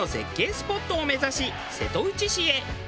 スポットを目指し瀬戸内市へ。